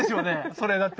それだって。